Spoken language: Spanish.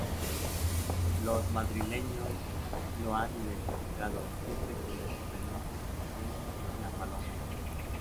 Los madrileños lo han identificado siempre con el sobrenombre de "La Paloma".